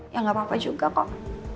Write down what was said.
ya nggak apa apa juga kok